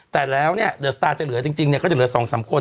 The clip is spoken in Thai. แต่แล้วเนี้ยเดอร์สตาร์จะเหลือจริงจริงเนี้ยก็จะเหลือสองสามคน